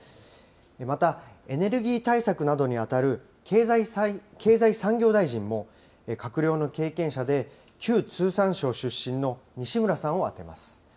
また、エネルギー対策などに当たる経済産業大臣も、閣僚の経験者で旧通産省出身の西村さんを充てます。